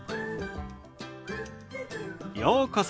ようこそ。